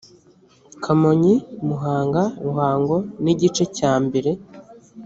kamonyi muhanga ruhango n igice cyambere